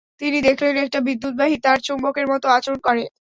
তিনি দেখলেন, একটা বিদ্যুৎবাহী তার চুম্বকের মতো আচরণ করে।